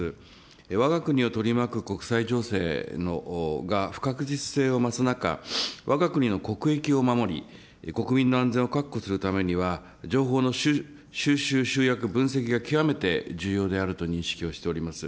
わが国を取り巻く国際情勢が不確実性を増す中、わが国の国益を守り、国民の安全を確保するためには、情報の収集、集約、分析が極めて重要であると認識をしております。